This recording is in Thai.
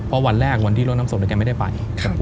เพราะวันแรกวันที่รถน้ำศพแกไม่ได้ไป